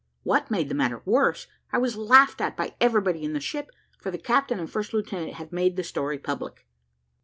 What made the matter worse, I was laughed at by everybody in the ship, for the captain and first lieutenant had made the story public."